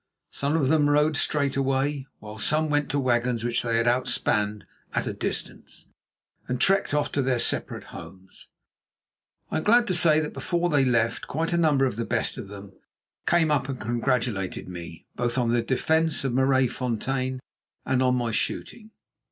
Some of them rode straight away, while some went to wagons which they had outspanned at a distance, and trekked off to their separate homes. I am glad to say that before they left quite a number of the best of them came up and congratulated me both on the defence of Maraisfontein and on my shooting.